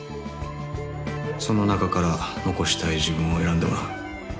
その中から残したい自分を選んでもらう。